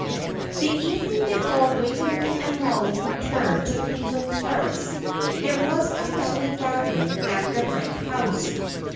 The evening before Waveney and Mollie returned to Cleveland Terrace there was a family gathering at the Red House.